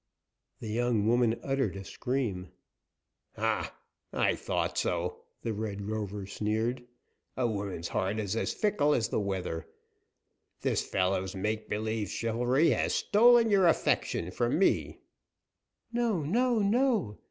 The young woman uttered a scream. "Ha! I thought so," the Red Rover sneered. "A woman's heart is as fickle as the weather. This fellow's make believe chivalry has stolen your affection from me " "No! no! no!